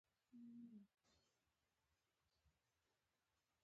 دوی کولای شوای د مخدره توکو په پلور اعتراض وکړي.